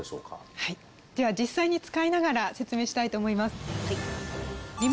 はいでは実際に使いながら説明したいと思います。